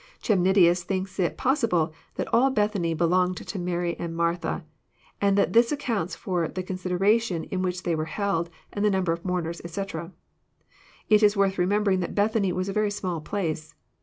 Chemnitius thinks it possible that all Bethany belonged to Martha and Mary, and that this accounts for the consideration in which they were held, and the number of moamers, etc. Is is worth remembering that Bethany was a very small place.